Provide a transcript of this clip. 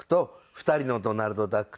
２人のドナルドダック。